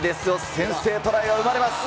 先制トライが生まれます。